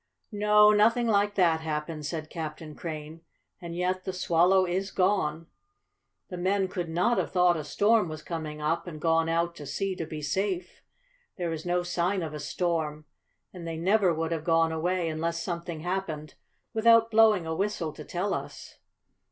"No, nothing like that happened," said Captain Crane. "And yet the Swallow is gone. The men could not have thought a storm was coming up, and gone out to sea to be safe. There is no sign of a storm, and they never would have gone away, unless something happened, without blowing a whistle to tell us."